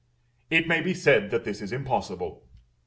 It may be said that this is impossible.